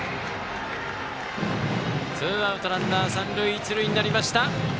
ツーアウト、ランナー三塁一塁になりました。